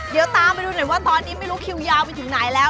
เดี๋ยวตามไปดูหน่อยว่าตอนนี้ไม่รู้คิวยาวไปถึงไหนแล้ว